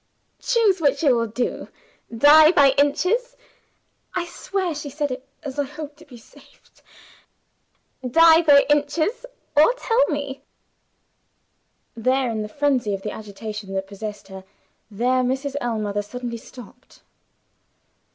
Choose which you will do? Die by inches' (I swear she said it as I hope to be saved); 'die by inches, or tell me '" There in the full frenzy of the agitation that possessed her there, Mrs. Ellmother suddenly stopped.